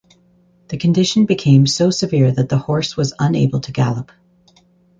The condition became so severe that the horse was unable to gallop.